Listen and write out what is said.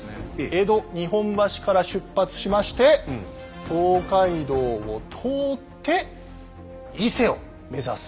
江戸日本橋から出発しまして東海道を通って伊勢を目指す旅なんですけど。